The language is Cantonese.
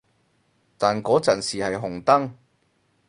但嗰陣時係紅燈